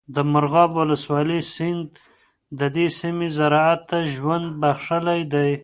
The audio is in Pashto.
د مرغاب ولسوالۍ سیند د دې سیمې زراعت ته ژوند بخښلی دی.